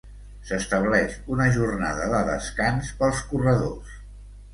S'estableix una jornada de descans pels corredors.